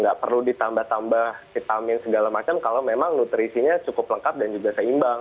nggak perlu ditambah tambah vitamin segala macam kalau memang nutrisinya cukup lengkap dan juga seimbang